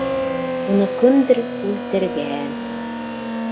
— Уны кемдер үлтергә-ән...